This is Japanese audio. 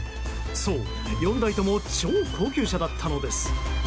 そう、４台とも超高級車だったのです。